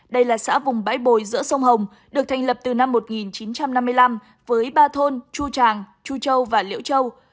đây là xã vùng bãi bồi giữa sông hồng được thành lập từ năm một nghìn chín trăm năm mươi năm với ba thôn chu tràng chu châu và liễu châu